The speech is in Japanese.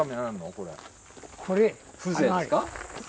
これ風情ですか？